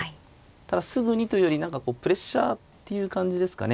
すぐにというより何かこうプレッシャーっていう感じですかね。